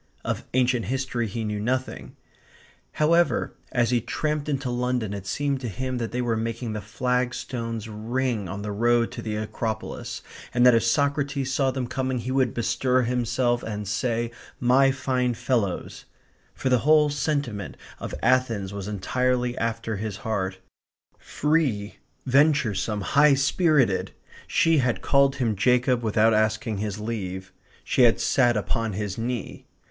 Of ancient history he knew nothing. However, as he tramped into London it seemed to him that they were making the flagstones ring on the road to the Acropolis, and that if Socrates saw them coming he would bestir himself and say "my fine fellows," for the whole sentiment of Athens was entirely after his heart; free, venturesome, high spirited.... She had called him Jacob without asking his leave. She had sat upon his knee.